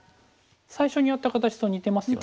最初にやった形と似てますよね。